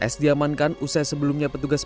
s diamankan usai sebelumnya petugas